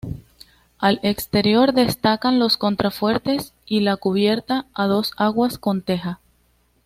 Al exterior destacan los contrafuertes, y la cubierta a dos aguas con teja.